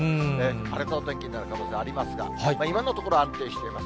荒れたお天気になる可能性ありますから、今のところ、安定しています。